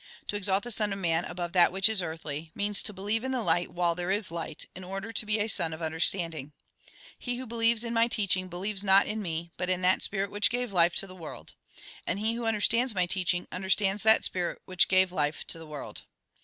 To exalt the Son of Man above that which is earthly, means to believe in the light while there is light, in order to be a son of under standing.'' " He who believes in my teaching believes not in me, but in that spirit which gave life to the world. And he who understands my teaching, under stands that spirit which gave life to the world.